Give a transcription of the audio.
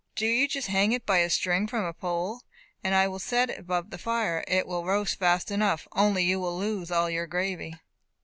Do you just hang it by a string from the pole I will set for you above the fire; it will roast fast enough, only you will lose all your gravy."